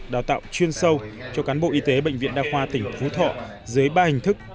đào tạo chuyên sâu cho cán bộ y tế bệnh viện đa khoa tỉnh phú thọ dưới ba hình thức